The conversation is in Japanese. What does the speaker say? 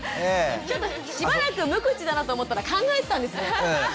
ちょっとしばらく無口だなと思ったら考えてたんですね。